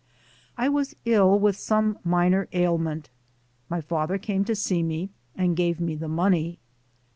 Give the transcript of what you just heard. I was ill with some minor ailment. My father came to see me and gave me the money.